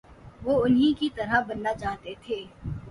وہ انہی کی طرح بننا چاہتے تھے۔